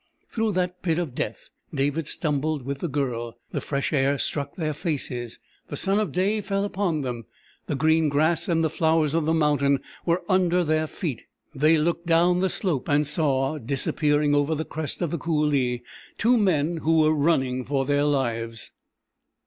Through that pit of death David stumbled with the Girl. The fresh air struck their faces. The sun of day fell upon them. The green grass and the flowers of the mountain were under their feet. They looked down the slope, and saw, disappearing over the crest of the coulée, two men who were running for their lives.